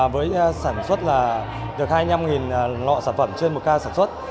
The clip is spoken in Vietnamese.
với sản xuất là được hai mươi năm lọ sản phẩm trên một ca sản xuất